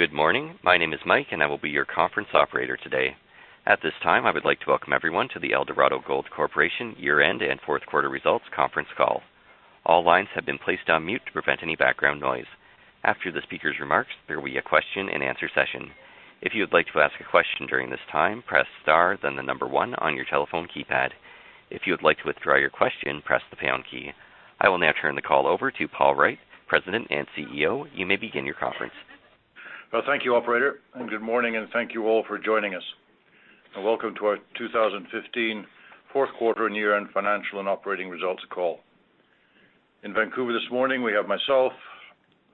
Good morning. My name is Mike and I will be your conference operator today. At this time, I would like to welcome everyone to the Eldorado Gold Corporation year-end and Q4 results conference call. All lines have been placed on mute to prevent any background noise. After the speaker's remarks, there will be a question and answer session. If you would like to ask a question during this time, press star, then the number one on your telephone keypad. If you would like to withdraw your question, press the pound key. I will now turn the call over to Paul Wright, President and CEO. You may begin your conference. Well, thank you operator, and good morning and thank you all for joining us. Welcome to our 2015 Q4 and year-end financial and operating results call. In Vancouver this morning, we have myself,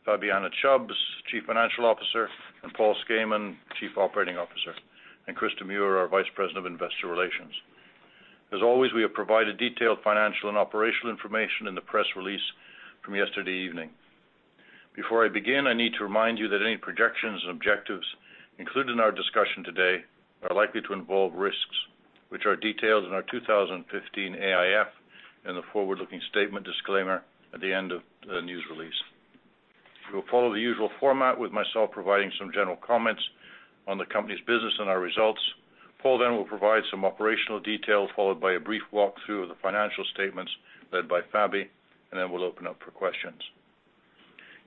Fabiana Chubbs, Chief Financial Officer, and Paul Skayman, Chief Operating Officer, and Krista Muir, our Vice President of Investor Relations. As always, we have provided detailed financial and operational information in the press release from yesterday evening. Before I begin, I need to remind you that any projections and objectives included in our discussion today are likely to involve risks, which are detailed in our 2015 AIF, and the forward-looking statement disclaimer at the end of the news release. We will follow the usual format with myself providing some general comments on the company's business and our results. Paul then will provide some operational detail, followed by a brief walkthrough of the financial statements led by Fabi, and then we'll open up for questions.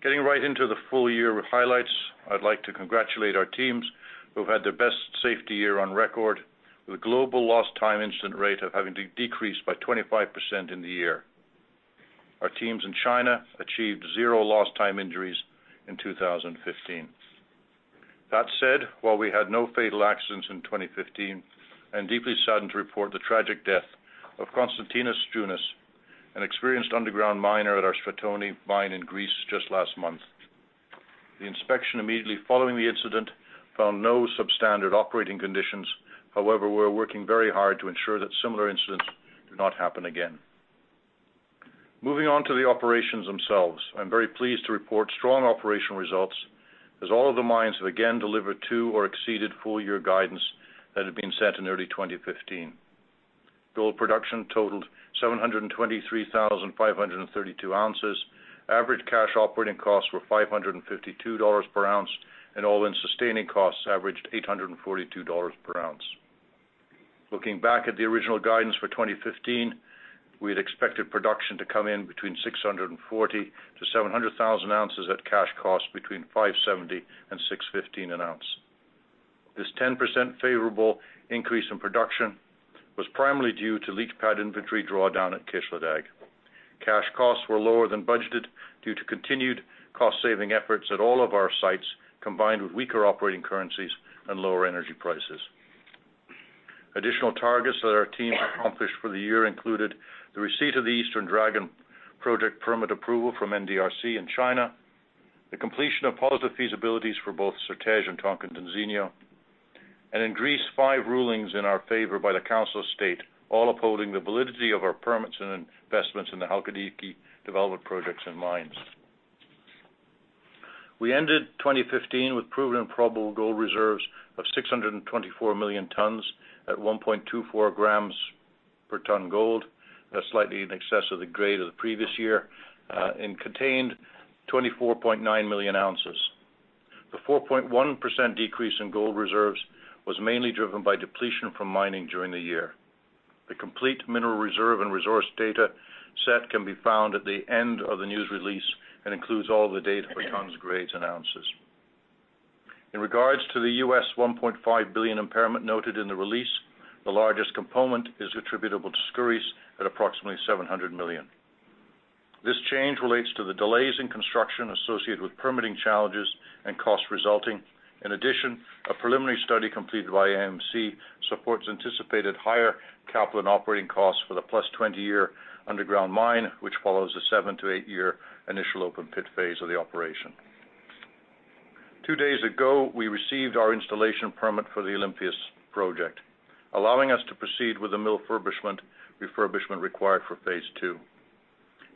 Getting right into the full year with highlights, I'd like to congratulate our teams who've had their best safety year on record with a global lost time incident rate of having decreased by 25% in the year. Our teams in China achieved zero lost time injuries in 2015. That said, while we had no fatal accidents in 2015, I'm deeply saddened to report the tragic death of Constantinos Jounas, an experienced underground miner at our Stratoni mine in Greece just last month. The inspection immediately following the incident found no substandard operating conditions. However, we're working very hard to ensure that similar incidents do not happen again. Moving on to the operations themselves. I'm very pleased to report strong operational results, as all of the mines have again delivered to or exceeded full year guidance that had been set in early 2015. Gold production totaled 723,532 ounces. Average cash operating costs were $552 per ounce, and all-in sustaining costs averaged $842 per ounce. Looking back at the original guidance for 2015, we had expected production to come in between 640,000-700,000 ounces at cash cost between $570-$615 an ounce. This 10% favorable increase in production was primarily due to leach pad inventory drawdown at Kisladag. Cash costs were lower than budgeted due to continued cost-saving efforts at all of our sites, combined with weaker operating currencies and lower energy prices. Additional targets that our team accomplished for the year included the receipt of the Eastern Dragon Project permit approval from NDRC in China. The completion of positive feasibilities for both Certej and Tocantinzinho. In Greece, five rulings in our favor by the Council of State, all upholding the validity of our permits and investments in the Halkidiki development projects and mines. We ended 2015 with proven and probable gold reserves of 624 million tons at 1.24 grams per ton gold. That's slightly in excess of the grade of the previous year, and contained 24.9 million ounces. The 4.1% decrease in gold reserves was mainly driven by depletion from mining during the year. The complete mineral reserve and resource data set can be found at the end of the news release and includes all the data for tons, grades, and ounces. In regards to the U.S. $1.5 billion impairment noted in the release, the largest component is attributable to Skouries at approximately $700 million. This change relates to the delays in construction associated with permitting challenges and costs resulting. In addition, a preliminary study completed by AMC supports anticipated higher capital and operating costs for the plus 20-year underground mine, which follows a seven to eight-year initial open pit phase of the operation. Two days ago, we received our installation permit for the Olympias project, allowing us to proceed with the mill refurbishment required for phase two.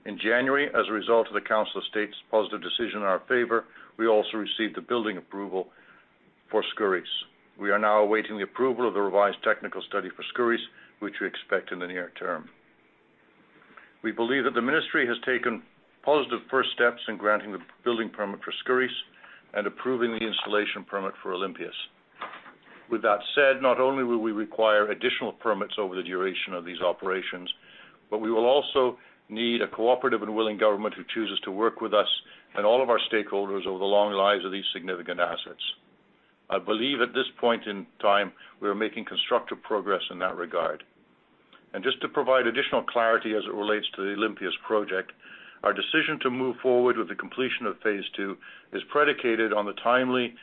In January, as a result of the Council of State's positive decision in our favor, we also received the building approval for Skouries. We are now awaiting the approval of the revised technical study for Skouries, which we expect in the near term. We believe that the ministry has taken positive first steps in granting the building permit for Skouries and approving the installation permit for Olympias. With that said, not only will we require additional permits over the duration of these operations, but we will also need a cooperative and willing government who chooses to work with us and all of our stakeholders over the long lives of these significant assets. I believe at this point in time, we are making constructive progress in that regard. Just to provide additional clarity as it relates to the Olympias project, our decision to move forward with the completion of phase two is predicated on the timely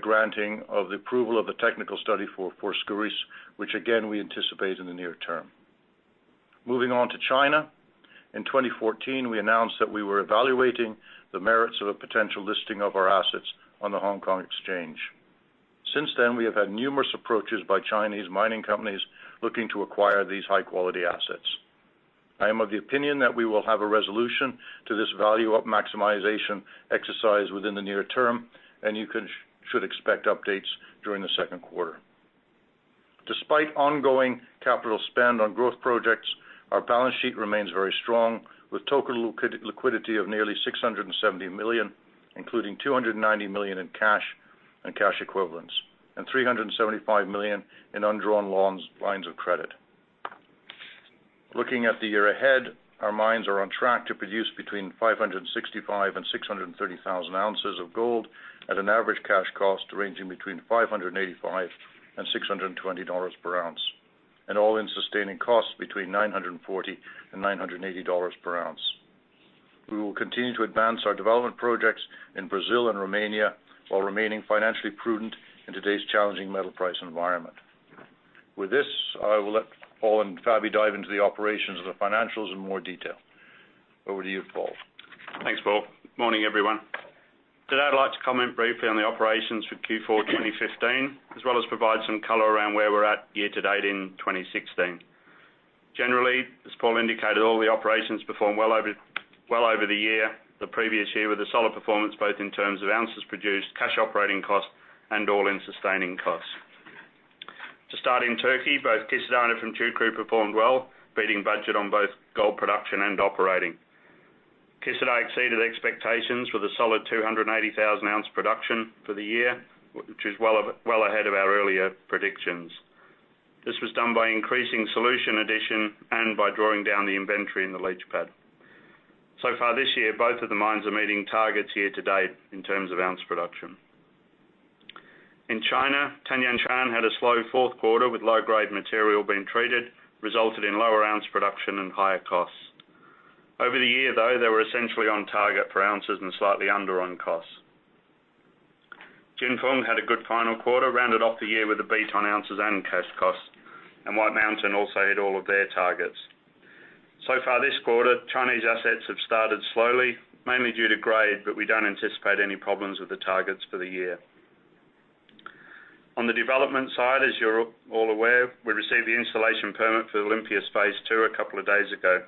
granting of the approval of the technical study for Skouries, which again, we anticipate in the near term. Moving on to China. In 2014, we announced that we were evaluating the merits of a potential listing of our assets on the Hong Kong Exchange. Since then, we have had numerous approaches by Chinese mining companies looking to acquire these high-quality assets. I am of the opinion that we will have a resolution to this value maximization exercise within the near term, and you should expect updates during the Q2. despite ongoing capital spend on growth projects, our balance sheet remains very strong, with total liquidity of nearly $670 million, including $290 million in cash and cash equivalents, and $375 million in undrawn lines of credit. Looking at the year ahead, our mines are on track to produce between 565,000 and 630,000 ounces of gold at an average cash cost ranging between $585 and $620 per ounce, and all-in sustaining costs between $940 and $980 per ounce. We will continue to advance our development projects in Brazil and Romania while remaining financially prudent in today's challenging metal price environment. With this, I will let Paul and Fabi dive into the operations and the financials in more detail. Over to you, Paul. Thanks, Paul. Morning, everyone. Today, I'd like to comment briefly on the operations for Q4 2015, as well as provide some color around where we're at year to date in 2016. Generally, as Paul indicated, all the operations performed well over the previous year with a solid performance both in terms of ounces produced, cash operating costs, and all-in sustaining costs. To start in Turkey, both Kisladag and Efemçukuru performed well, beating budget on both gold production and operating. Kisladag exceeded expectations with a solid 280,000-ounce production for the year, which is well ahead of our earlier predictions. This was done by increasing solution addition and by drawing down the inventory in the leach pad. So far this year, both of the mines are meeting targets year to date in terms of ounce production. In China, Tanjianshan had a slow Q4 with low-grade material being treated, resulted in lower ounce production and higher costs. Over the year, though, they were essentially on target for ounces and slightly under on costs. Jinfeng had a good final quarter, rounded off the year with a beat on ounces and cash costs, and White Mountain also hit all of their targets. So far this quarter, Chinese assets have started slowly, mainly due to grade, but we don't anticipate any problems with the targets for the year. On the development side, as you're all aware, we received the installation permit for Olympias phase two a couple of days ago,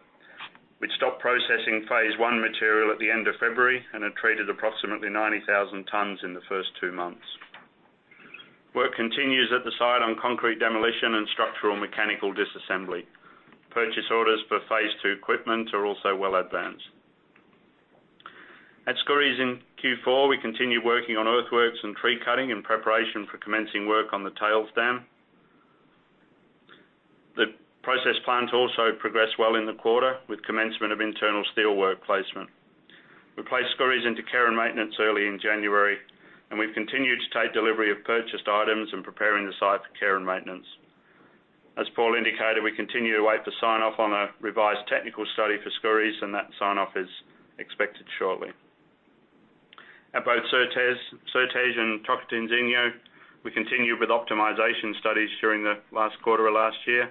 which stopped processing phase one material at the end of February and had treated approximately 90,000 tons in the first two months. Work continues at the site on concrete demolition and structural mechanical disassembly. Purchase orders for phase two equipment are also well advanced. At Skouries in Q4, we continued working on earthworks and tree cutting in preparation for commencing work on the tailings dam. The process plant also progressed well in the quarter with commencement of internal steelwork placement. We placed Skouries into care and maintenance early in January, and we've continued to take delivery of purchased items and preparing the site for care and maintenance. As Paul indicated, we continue to wait for sign-off on a revised technical study for Skouries, and that sign-off is expected shortly. At both Certej and Tocantinzinho, we continued with optimization studies during the last quarter of last year.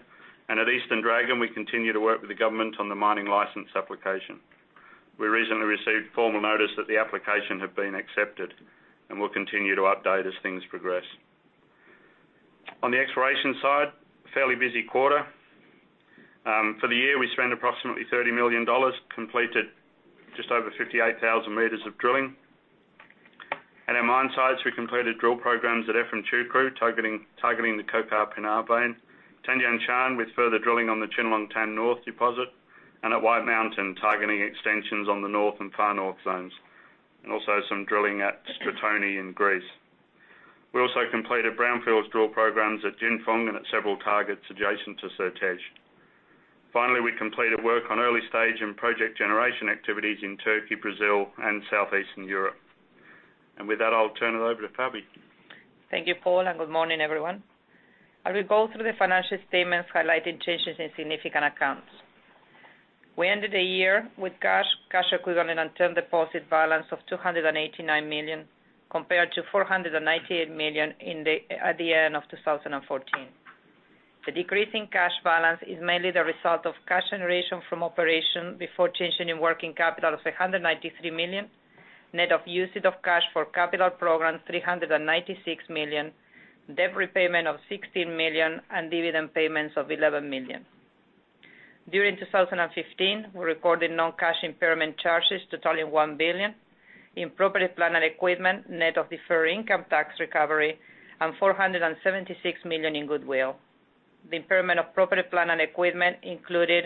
At Eastern Dragon, we continue to work with the government on the mining license application. We recently received formal notice that the application had been accepted and will continue to update as things progress. On the exploration side, fairly busy quarter. For the year, we spent approximately $30 million, completed just over 58,000 meters of drilling. At our mine sites, we completed drill programs at Efemçukuru, targeting the Kokarpinar vein, Tanjianshan, with further drilling on the Qinlongtan North deposit, and at White Mountain, targeting extensions on the North and Far North zones, and also some drilling at Stratoni in Greece. We also completed brownfields drill programs at Jinfeng and at several targets adjacent to Certej. Finally, we completed work on early stage and project generation activities in Turkey, Brazil, and Southeastern Europe. With that, I'll turn it over to Fabi. Thank you, Paul, and good morning, everyone. I will go through the financial statements highlighting changes in significant accounts. We ended the year with cash equivalent, and term deposit balance of $289 million, compared to $498 million at the end of 2014. The decrease in cash balance is mainly the result of cash generation from operation before changing in working capital of $893 million, net of usage of cash for capital programs, $396 million, debt repayment of $16 million, and dividend payments of $11 million. During 2015, we recorded non-cash impairment charges totaling $1 billion in property, plant, and equipment, net of deferred income tax recovery, and $476 million in goodwill. The impairment of property, plant, and equipment included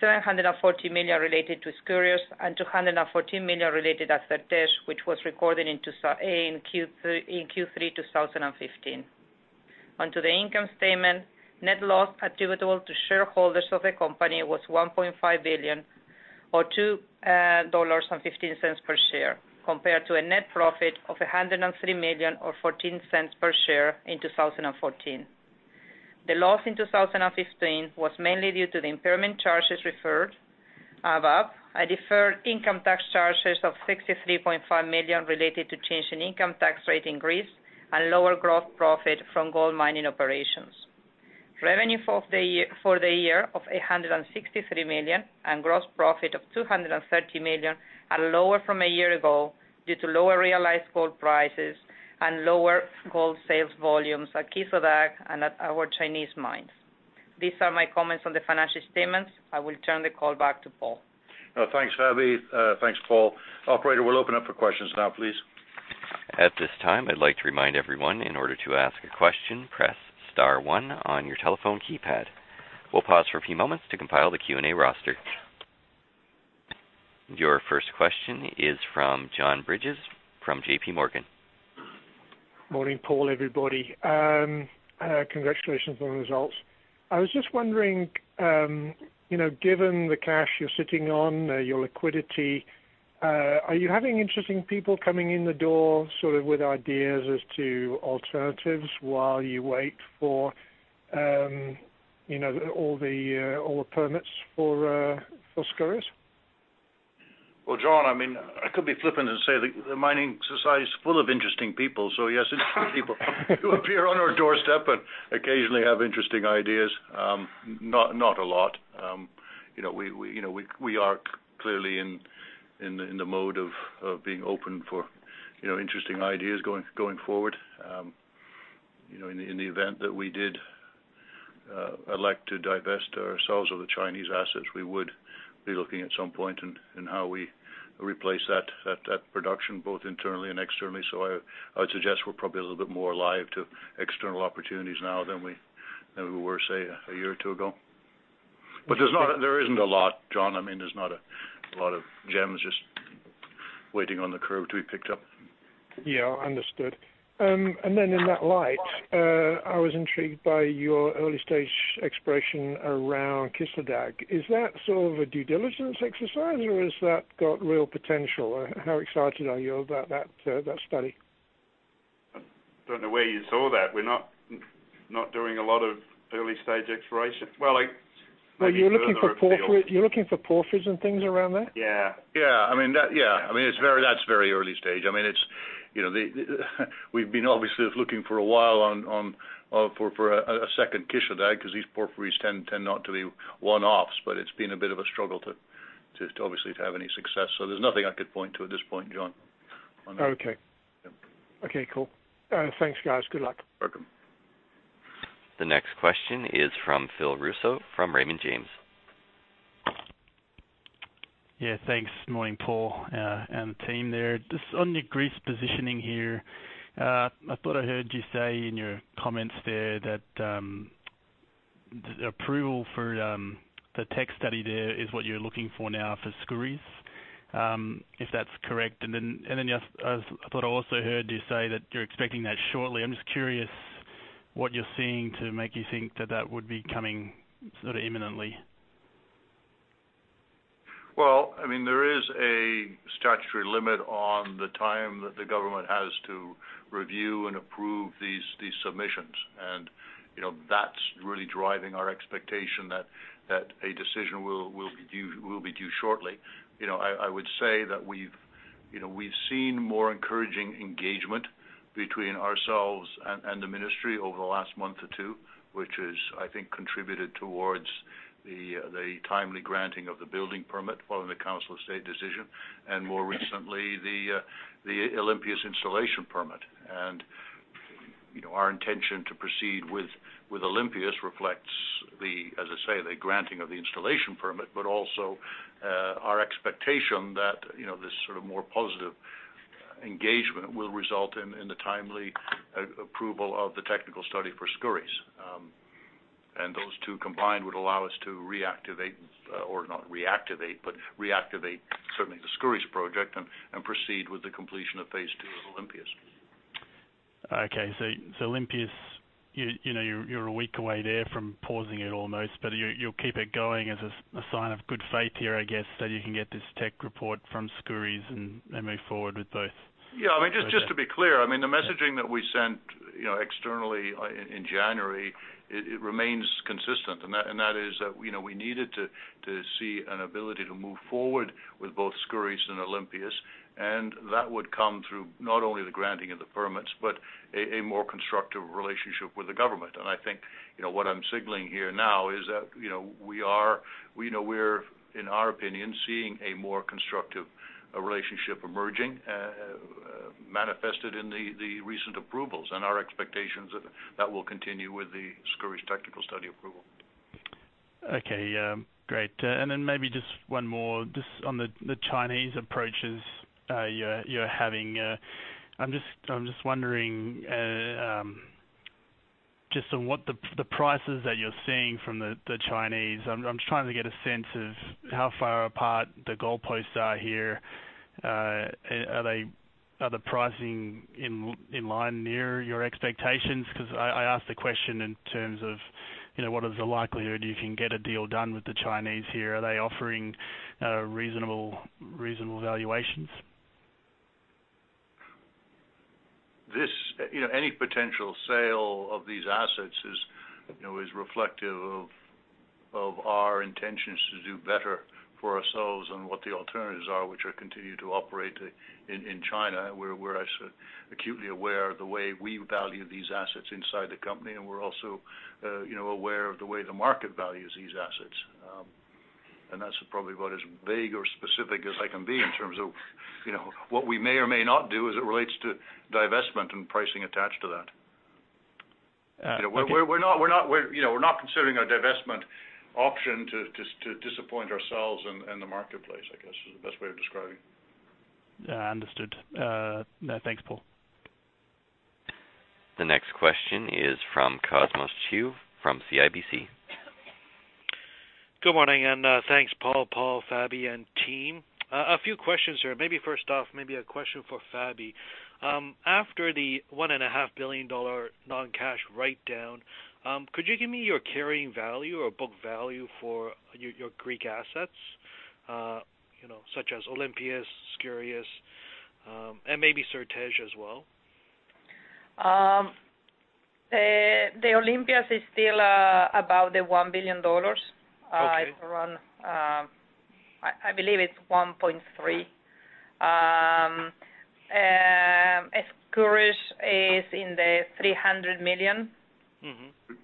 $740 million related to Skouries and $214 million related to Certej, which was recorded in Q3 2015. On to the income statement. Net loss attributable to shareholders of the company was $1.5 billion or $2.15 per share, compared to a net profit of $103 million or $0.14 per share in 2014. The loss in 2015 was mainly due to the impairment charges referred above, a deferred income tax charges of $63.5 million related to change in income tax rate in Greece, and lower gross profit from gold mining operations. Revenue for the year of $863 million and gross profit of $230 million are lower from a year ago due to lower realized gold prices and lower gold sales volumes at Kisladag and at our Chinese mines. These are my comments on the financial statements. I will turn the call back to Paul. Thanks, Fabi. Thanks, Paul. Operator, we'll open up for questions now, please. At this time, I'd like to remind everyone, in order to ask a question, press star one on your telephone keypad. We'll pause for a few moments to compile the Q&A roster. Your first question is from John Bridges from J.P. Morgan. Morning, Paul, everybody. Congratulations on the results. I was just wondering, given the cash you're sitting on, your liquidity, are you having interesting people coming in the door sort of with ideas as to alternatives while you wait for all the permits for Skouries? Well, John, I could be flippant and say that the mining society is full of interesting people. Yes, interesting people do appear on our doorstep and occasionally have interesting ideas. Not a lot. We are clearly in the mode of being open for interesting ideas going forward. In the event that we did elect to divest ourselves of the Chinese assets, we would be looking at some point in how we replace that production both internally and externally. I would suggest we're probably a little bit more alive to external opportunities now than we were, say, a year or two ago. There isn't a lot, John. There's not a lot of gems just waiting on the curb to be picked up. Yeah. Understood. In that light, I was intrigued by your early-stage exploration around Kisladag. Is that sort of a due diligence exercise, or has that got real potential? How excited are you about that study? I don't know where you saw that. We're not doing a lot of early-stage exploration. Well, I think. Well, you're looking for porphyry. You're looking for porphyries and things around that? Yeah. That's very early stage. We've been obviously looking for a while for a second Kisladag because these porphyries tend not to be one-offs, but it's been a bit of a struggle to obviously to have any success. There's nothing I could point to at this point, John. Okay. Yep. Okay, cool. Thanks, guys. Good luck. Welcome. The next question is from Phil Russo from Raymond James. Yeah, thanks. Morning, Paul and the team there. Just on your Greece positioning here. I thought I heard you say in your comments there that, the approval for the tech study there is what you're looking for now for Skouries, if that's correct. I thought I also heard you say that you're expecting that shortly. I'm just curious what you're seeing to make you think that that would be coming sort of imminently. Well, there is a statutory limit on the time that the government has to review and approve these submissions. That's really driving our expectation that a decision will be due shortly. I would say that we've seen more encouraging engagement between ourselves and the ministry over the last month or two, which has, I think, contributed towards the timely granting of the building permit following the Council of State decision, and more recently, the Olympias installation permit. Our intention to proceed with Olympias reflects the, as I say, the granting of the installation permit, but also our expectation that this sort of more positive engagement will result in the timely approval of the technical study for Skouries. Those two combined would allow us to reactivate or not reactivate, but reactivate, certainly the Skouries project and proceed with the completion of phase two of Olympias. Okay. Olympias, you're a week away there from pausing it almost, but you'll keep it going as a sign of good faith here, I guess, that you can get this tech report from Skouries and move forward with both. Yeah. Just to be clear, the messaging that we sent externally in January, it remains consistent. That is that we needed to see an ability to move forward with both Skouries and Olympias, and that would come through not only the granting of the permits, but a more constructive relationship with the government. I think, what I'm signaling here now is that we're, in our opinion, seeing a more constructive relationship emerging, manifested in the recent approvals and our expectations that will continue with the Skouries technical study approval. Okay. Great. Maybe just one more just on the Chinese approaches you're having. I'm just wondering, just on what the prices that you're seeing from the Chinese. I'm just trying to get a sense of how far apart the goalposts are here. Are the pricing in line near your expectations? Because I ask the question in terms of what is the likelihood you can get a deal done with the Chinese here. Are they offering reasonable valuations? Any potential sale of these assets is reflective of our intentions to do better for ourselves and what the alternatives are, which are continue to operate in China. We're acutely aware of the way we value these assets inside the company, and we're also aware of the way the market values these assets. That's probably about as vague or specific as I can be in terms of what we may or may not do as it relates to divestment and pricing attached to that. We're not considering a divestment option to disappoint ourselves and the marketplace, I guess, is the best way of describing. Yeah, understood. Thanks, Paul. The next question is from Cosmos Chiu from CIBC. Good morning, and thanks, Paul, Fabi, and team. A few questions here. Maybe first off, maybe a question for Fabi. After the $1.5 billion non-cash write down, could you give me your carrying value or book value for your Greek assets such as Olympias, Skouries, and maybe Certej as well? The Olympias is still about the $1 billion. Okay. I believe it's $1.3. Skouries is in the $300 million. Mm-hmm.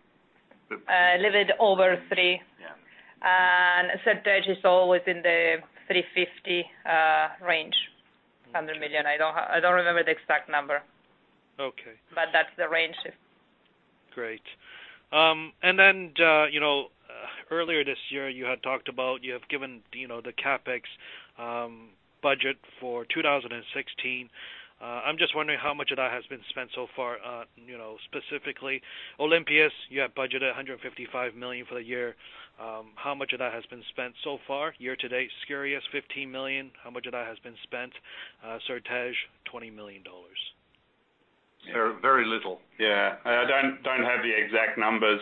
A little bit over three. Yeah. Certej is always in the 350 range, $100 million. I don't remember the exact number. Okay. That's the range. Great. Earlier this year, you had talked about you have given the CapEx budget for 2016. I'm just wondering how much of that has been spent so far, specifically Olympias, you have budgeted $155 million for the year. How much of that has been spent so far year-to-date? Skouries, $15 million, how much of that has been spent? Certej, $20 million. Very little. Yeah. I don't have the exact numbers.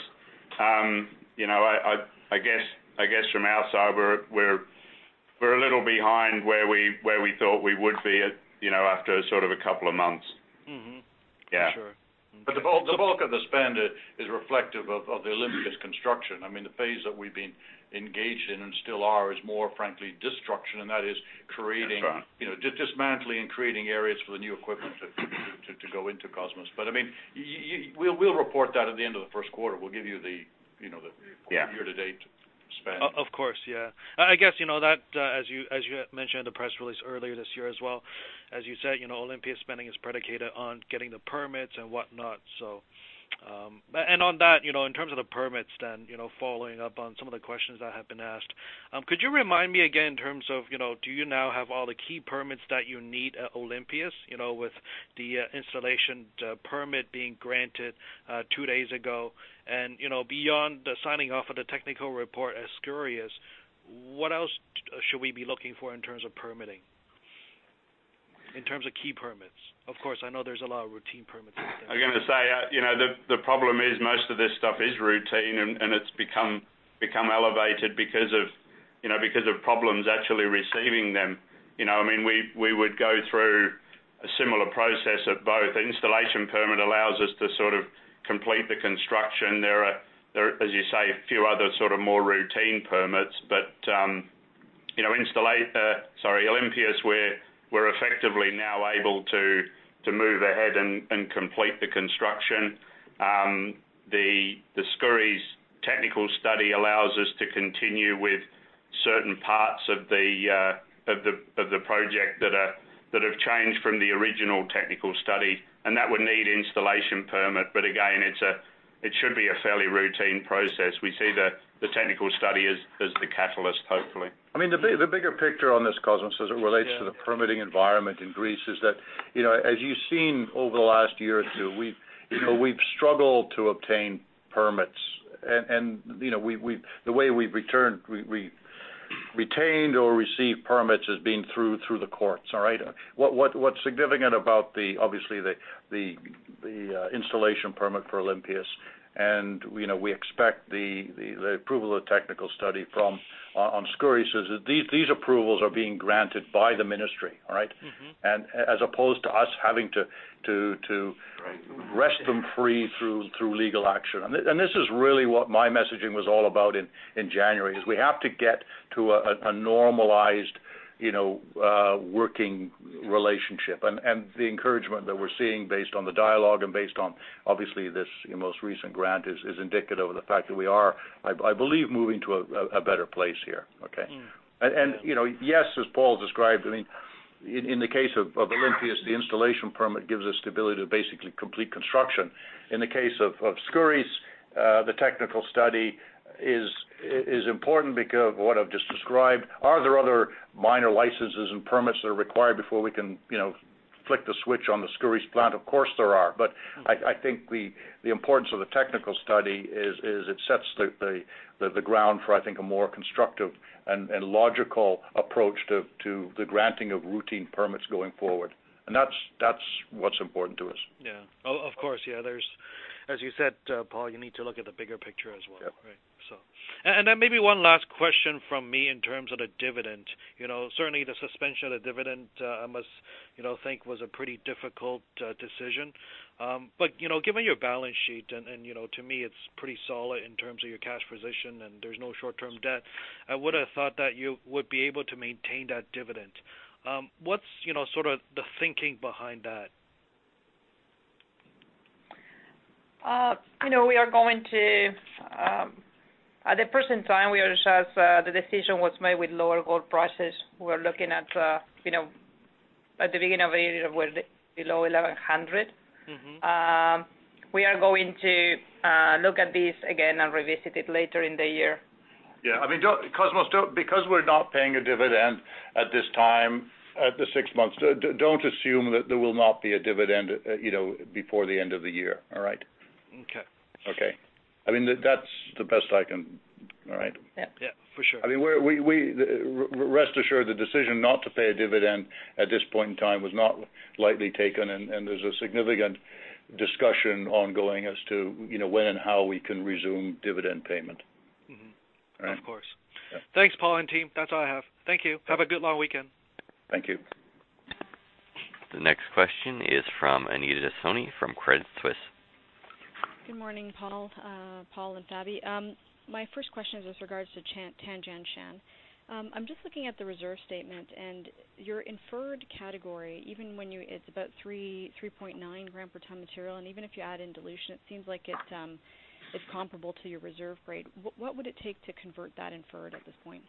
I guess from our side, we're a little behind where we thought we would be after sort of a couple of months. Mm-hmm. Yeah. Sure. The bulk of the spend is reflective of the Olympias construction. I mean, the phase that we've been engaged in and still are is more frankly destruction, and that is dismantling and creating areas for the new equipment to go into Cosmos. We'll report that at the end of the Q1. We'll give you the year-to-date spend. Of course, yeah. I guess that as you had mentioned in the press release earlier this year as well as you said, Olympias spending is predicated on getting the permits and whatnot. On that, in terms of the permits then, following up on some of the questions that have been asked, could you remind me again in terms of do you now have all the key permits that you need at Olympias, with the installation permit being granted two days ago, and beyond the signing off of the technical report at Skouries, what else should we be looking for in terms of permitting? In terms of key permits. Of course, I know there's a lot of routine permits. I was going to say, the problem is most of this stuff is routine, and it's become elevated because of problems actually receiving them. We would go through a similar process of both. The installation permit allows us to sort of complete the construction. There are, as you say, a few other sort of more routine permits. Olympias, we're effectively now able to move ahead and complete the construction. The Skouries technical study allows us to continue with certain parts of the project that have changed from the original technical study, and that would need installation permit. Again, it should be a fairly routine process. We see the technical study as the catalyst, hopefully. The bigger picture on this, Cosmos, as it relates to the permitting environment in Greece is that, as you've seen over the last year or two, we've struggled to obtain permits. The way we've retained or received permits has been through the courts. What's significant about obviously the installation permit for Olympias, and we expect the approval of the technical study on Skouries, is that these approvals are being granted by the ministry. Mm-hmm. As opposed to us having to wrest them free through legal action. This is really what my messaging was all about in January, is we have to get to a normalized working relationship. The encouragement that we're seeing based on the dialogue and based on obviously this most recent grant is indicative of the fact that we are, I believe, moving to a better place here. Okay? Yeah. Yes, as Paul described, in the case of Olympias, the installation permit gives us the ability to basically complete construction. In the case of Skouries, the technical study is important because of what I've just described. Are there other minor licenses and permits that are required before we can flick the switch on the Skouries plant? Of course, there are. But I think the importance of the technical study is it sets the ground for, I think, a more constructive and logical approach to the granting of routine permits going forward. That's what's important to us. Yeah. Of course. As you said, Paul, you need to look at the bigger picture as well. Yep. Right. Maybe one last question from me in terms of the dividend. Certainly the suspension of the dividend, I must think was a pretty difficult decision. Given your balance sheet, and to me it's pretty solid in terms of your cash position and there's no short-term debt, I would have thought that you would be able to maintain that dividend. What's sort of the thinking behind that? We are going to. At the present time, the decision was made with lower gold prices. We're looking at the beginning of a year where below $1,100. Mm-hmm. We are going to look at this again and revisit it later in the year. Yeah. Cosmos, because we're not paying a dividend at this time, at the six months, don't assume that there will not be a dividend before the end of the year. All right? Okay. Okay. That's the best I can. All right? Yeah. Yeah. For sure. Rest assured, the decision not to pay a dividend at this point in time was not lightly taken, and there's a significant discussion ongoing as to when and how we can resume dividend payment. Mm-hmm. All right? Of course. Yeah. Thanks, Paul and team. That's all I have. Thank you. Have a good long weekend. Thank you. The next question is from Anita Soni from Credit Suisse. Good morning, Paul and Fabi. My first question is with regards to Tanjianshan. I'm just looking at the reserve statement and your inferred category, it's about 3.9 gram per ton material, and even if you add in dilution, it seems like it's comparable to your reserve grade. What would it take to convert that inferred at this point?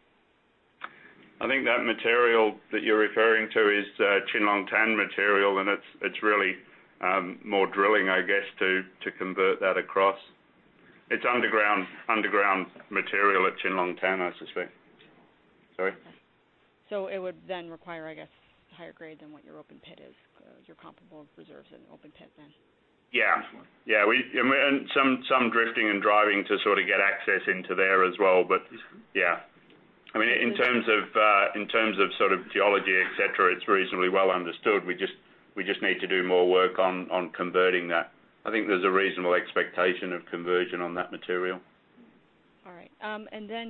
I think that material that you're referring to is Qinlongtan material, and it's really more drilling, I guess, to convert that across. It's underground material at Qinlongtan, I suspect. Sorry? Okay. It would then require, I guess, higher grade than what your open pit is, your comparable reserves in the open pit then? Yeah. Some drifting and driving to sort of get access into there as well. Yeah. In terms of sort of geology, et cetera, it's reasonably well understood. We just need to do more work on converting that. I think there's a reasonable expectation of conversion on that material. All right.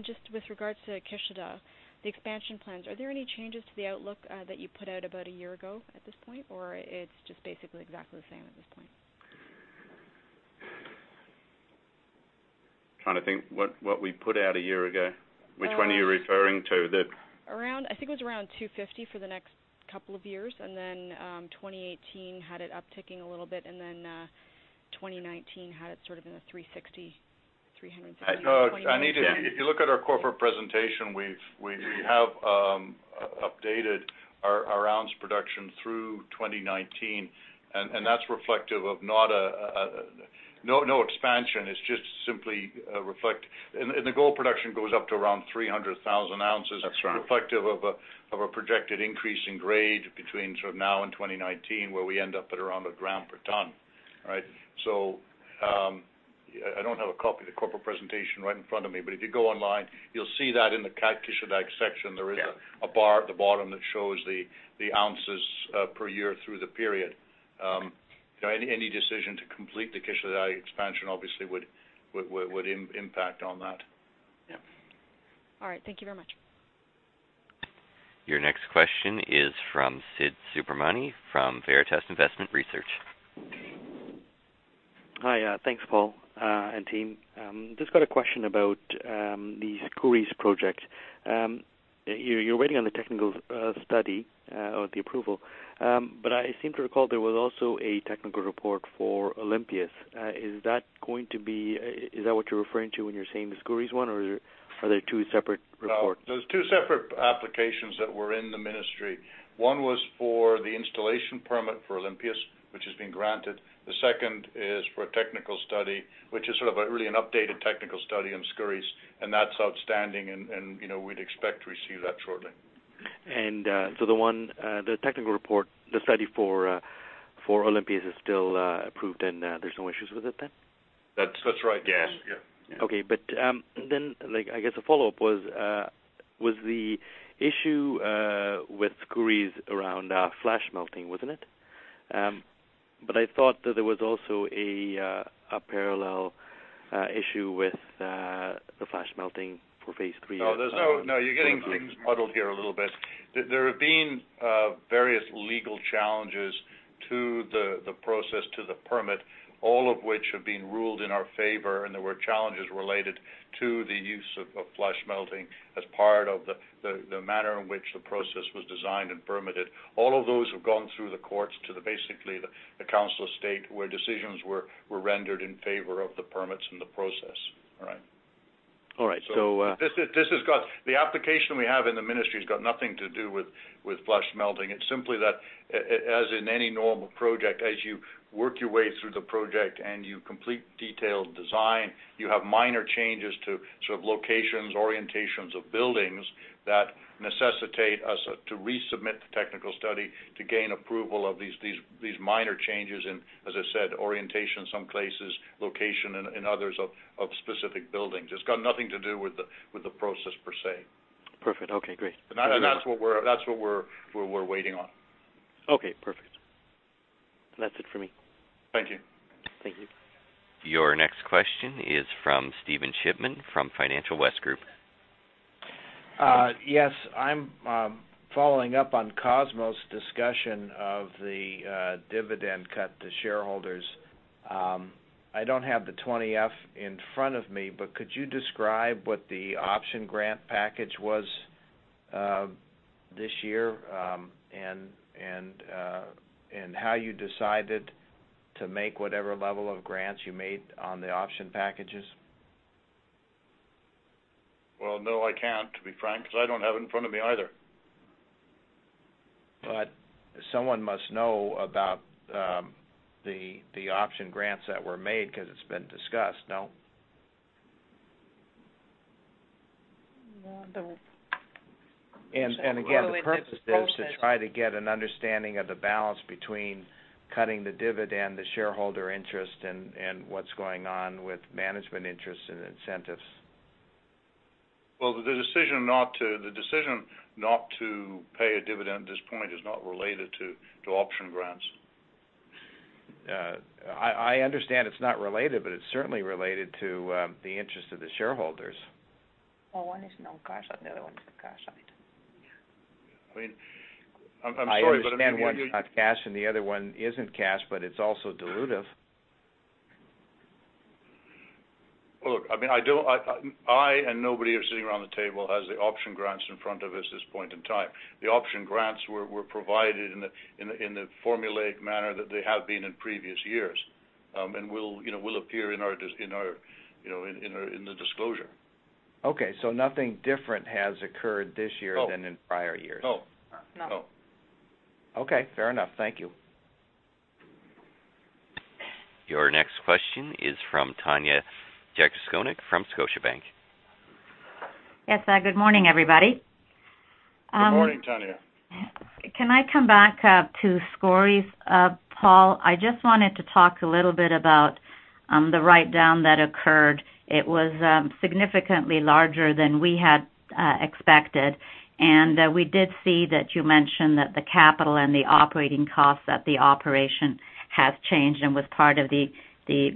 Just with regards to Kisladag, the expansion plans, are there any changes to the outlook that you put out about a year ago at this point, or it's just basically exactly the same at this point? Trying to think what we put out a year ago. Which one are you referring to? I think it was around $250 for the next couple of years, and then 2018 had it upticking a little bit, and then 2019 had it sort of in the $360-$370. Anita, if you look at our corporate presentation, we have updated our ounce production through 2019, and that's reflective of no expansion. The gold production goes up to around 300,000 ounces. That's right. Reflective of a projected increase in grade between sort of now and 2019, where we end up at around a gram per ton. Right? I don't have a copy of the corporate presentation right in front of me, but if you go online, you'll see that in the Kisladag section, there is a bar at the bottom that shows the ounces per year through the period. Any decision to complete the Kisladag expansion obviously would impact on that. Yeah. All right. Thank you very much. Your next question is from Sid Subramani from Veritas Investment Research. Hi. Thanks, Paul and team. Just got a question about the Skouries project. You're waiting on the technical study or the approval, but I seem to recall there was also a technical report for Olympias. Is that what you're referring to when you're saying the Skouries one, or are there two separate reports? There was two separate applications that were in the ministry. One was for the installation permit for Olympias, which has been granted. The second is for a technical study, which is sort of really an updated technical study on Skouries, and that's outstanding, and we'd expect to receive that shortly. The technical report, the study for Olympias is still approved, and there's no issues with it then? That's right. Yeah. Yeah. Okay. I guess a follow-up, was the issue with Skouries around flash smelting, wasn't it? I thought that there was also a parallel issue with the flash smelting for phase three as well. No, you're getting things muddled here a little bit. There have been various legal challenges to the process, to the permit, all of which have been ruled in our favor, and there were challenges related to the use of flash smelting as part of the manner in which the process was designed and permitted. All of those have gone through the courts to basically the Council of State, where decisions were rendered in favor of the permits and the process. All right? All right. The application we have in the ministry has got nothing to do with flash smelting. It's simply that, as in any normal project, as you work your way through the project and you complete detailed design, you have minor changes to sort of locations, orientations of buildings that necessitate us to resubmit the technical study to gain approval of these minor changes in, as I said, orientation in some places, location in others of specific buildings. It's got nothing to do with the process per se. Perfect. Okay, great. That's what we're waiting on. Okay, perfect. That's it for me. Thank you. Thank you. Your next question is from Stephen Shipman from Financial West Group. Yes, I'm following up on Cosmos' discussion of the dividend cut to shareholders. I don't have the 20-F in front of me, but could you describe what the option grant package was this year, and how you decided to make whatever level of grants you made on the option packages? Well, no, I can't, to be frank, because I don't have it in front of me either. Someone must know about the option grants that were made because it's been discussed, no? Well, Again, the purpose is to try to get an understanding of the balance between cutting the dividend, the shareholder interest, and what's going on with management interests and incentives. Well, the decision not to pay a dividend at this point is not related to option grants. I understand it's not related, but it's certainly related to the interest of the shareholders. Well, one is non-cash, and the other one is a cash item. I mean, I'm sorry, but if you I understand one's not cash and the other one isn't cash, but it's also dilutive. Look, I and nobody who's sitting around the table has the option grants in front of us at this point in time. The option grants were provided in the formulaic manner that they have been in previous years. Will appear in the disclosure. Okay. Nothing different has occurred this year. No than in prior years? No. No. No. Okay. Fair enough. Thank you. Your next question is from Tanya Jakusconek from Scotiabank. Yes. Good morning, everybody. Good morning, Tanya. Can I come back to Skouries, Paul? I just wanted to talk a little bit about the write-down that occurred. It was significantly larger than we had expected, and we did see that you mentioned that the capital and the operating costs at the operation has changed and was part of the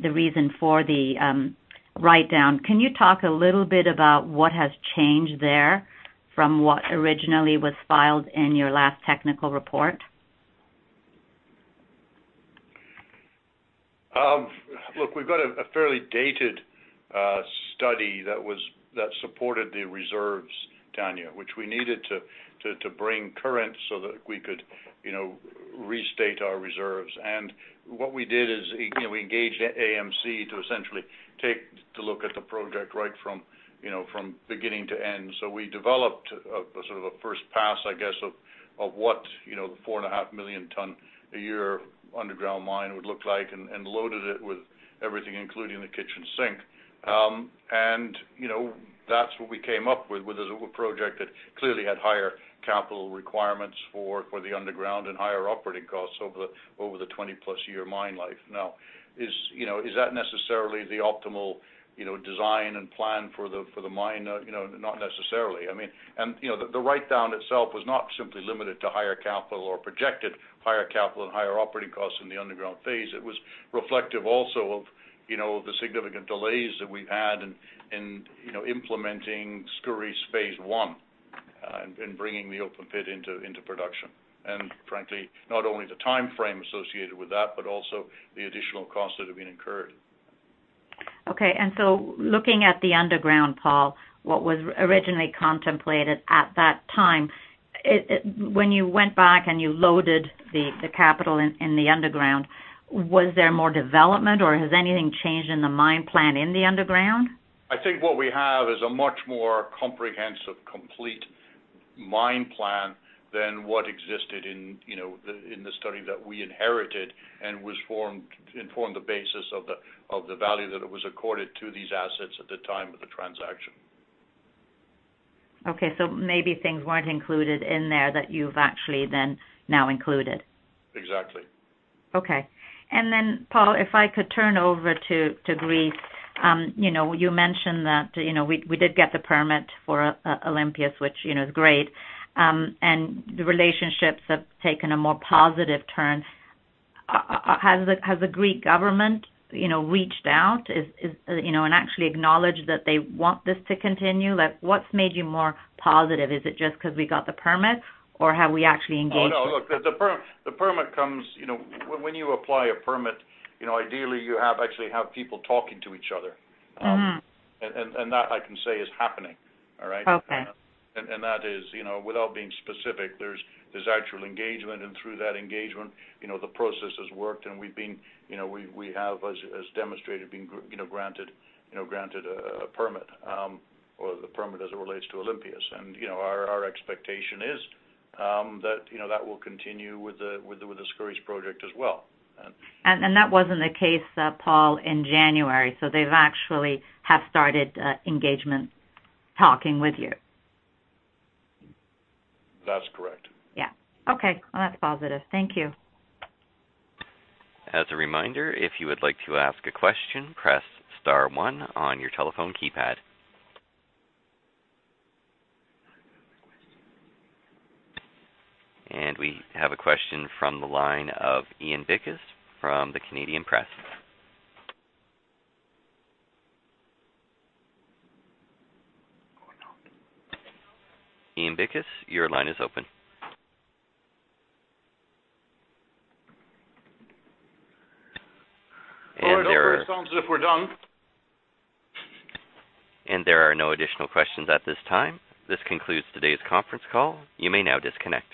reason for the write-down. Can you talk a little bit about what has changed there from what originally was filed in your last technical report? Look, we've got a fairly dated study that supported the reserves, Tanya, which we needed to bring current so that we could restate our reserves. What we did is we engaged AMC to essentially take a look at the project right from beginning to end. We developed a sort of a first pass, I guess, of what 4.5 million tons a year underground mine would look like and loaded it with everything, including the kitchen sink. That's what we came up with, was a project that clearly had higher capital requirements for the underground and higher operating costs over the 20-plus-year mine life. Now, is that necessarily the optimal design and plan for the mine? Not necessarily. I mean, and the write-down itself was not simply limited to higher capital or projected higher capital and higher operating costs in the underground phase. It was reflective also of the significant delays that we've had in implementing Skouries phase one and bringing the open pit into production. Frankly, not only the timeframe associated with that, but also the additional costs that have been incurred. Okay. Looking at the underground, Paul, what was originally contemplated at that time, when you went back and you loaded the capital in the underground, was there more development, or has anything changed in the mine plan in the underground? I think what we have is a much more comprehensive, complete mine plan than what existed in the study that we inherited and formed the basis of the value that it was accorded to these assets at the time of the transaction. Okay. Maybe things weren't included in there that you've actually then now included. Exactly. Okay. Paul, if I could turn over to Greece. You mentioned that we did get the permit for Olympias, which is great. The relationships have taken a more positive turn. Has the Greek government reached out and actually acknowledged that they want this to continue? What's made you more positive? Is it just because we got the permit, or have we actually engaged them? Oh, no. Look, when you apply for a permit, ideally you actually have people talking to each other. Mm-hmm. that I can say is happening. All right? Okay. That is, without being specific, there's actual engagement, and through that engagement the process has worked and we have, as demonstrated, been granted a permit or the permit as it relates to Olympias. Our expectation is that will continue with the Skouries project as well. That wasn't the case, Paul, in January. They've actually started engagement talking with you? That's correct. Yeah. Okay. Well, that's positive. Thank you. As a reminder, if you would like to ask a question, press star one on your telephone keypad. We have a question from the line of Ian Bickis from The Canadian Press. Ian Bickis, your line is open. There are- All right. It sounds as if we're done. There are no additional questions at this time. This concludes today's conference call. You may now disconnect.